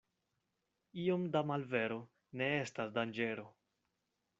Iom da malvero ne estas danĝero.